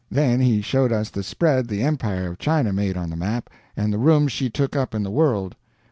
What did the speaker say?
Then he showed us the spread the Empire of China made on the map, and the room she took up in the world.